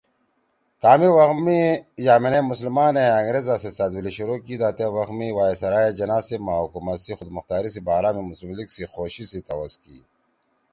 کامے وَخ می یامینے مسلمانے انگریزا سیت سأدویلی شروع کی دا تے وخ می وائسرائے جناح صیب ما حکومت سی خودمختاری سی بارا می مسلم لیگ سی خوشِی سی توَس کی